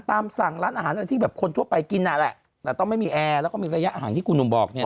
ตามสั่งร้านอาหารอะไรที่แบบคนทั่วไปกินน่ะแหละแต่ต้องไม่มีแอร์แล้วก็มีระยะห่างที่คุณหนุ่มบอกเนี่ย